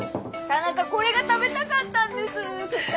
田中これが食べたかったんです。